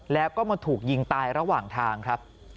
แล้วก็มาถูกยิงตายระหว่างทางครับ